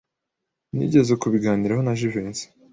Nigeze kubiganiraho na Jivency.